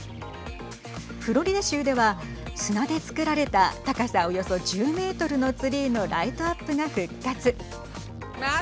フロリダ州では砂で作られた高さおよそ１０メートルのツリーのライトアップが復活。